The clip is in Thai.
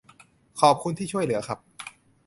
ขอบคุณที่ช่วยเหลือครับ